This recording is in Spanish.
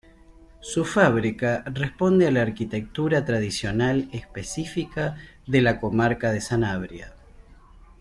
Su fábrica responde a la arquitectura tradicional específica de la comarca de Sanabria.